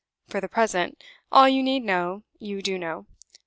For the present, all you need know, you do know.